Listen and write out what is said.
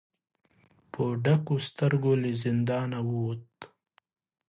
په ډکو سترګو له زندانه ووت.